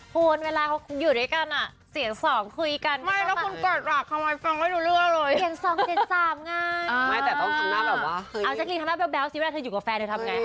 โฟนเวลาเขาอยู่ด้วยกันอ่ะเสียสองคุยกัน